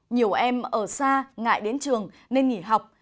nhiều em ở xa ngại đến trường nên nghỉ học